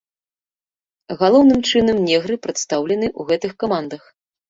Галоўным чынам негры прадстаўлены ў гэтых камандах.